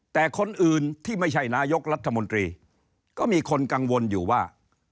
แต่คนอื่นที่ไม่ใช่นายกรัฐมนตรีก็มีคนกังวลอยู่ว่า